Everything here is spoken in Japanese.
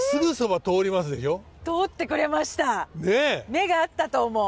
目が合ったと思う。